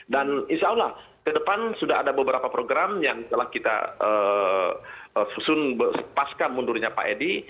dan insya allah kedepan sudah ada beberapa program yang telah kita paskan mundurnya pak eddy